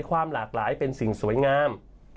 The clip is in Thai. ความหลากหลายเป็นสิ่งสวยงาม